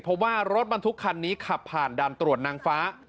เพราะว่ารถบรรทุกคันนี้ขับผ่านด่านตรวจนางฟ้า